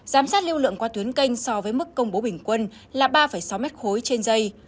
giám sát lưu lượng qua tuyến kênh so với mức công bố bình quân là ba sáu m ba trên dây